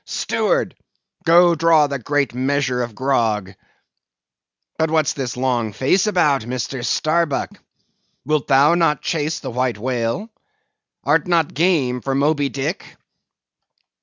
Steward! go draw the great measure of grog. But what's this long face about, Mr. Starbuck; wilt thou not chase the white whale? art not game for Moby Dick?"